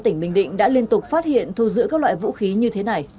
tỉnh bình định đã liên tục phát hiện thu giữ các loại vũ khí như thế này